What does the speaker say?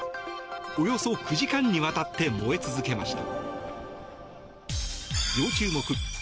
およそ９時間にわたって燃え続けました。